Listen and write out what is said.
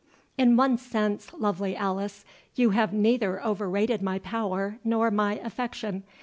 "In one sense, lovely Alice, you have neither overrated my power nor my affection.